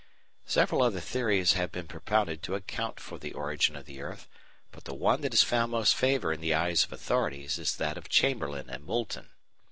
Several other theories have been propounded to account for the origin of the earth, but the one that has found most favour in the eyes of authorities is that of Chamberlin and Moulton.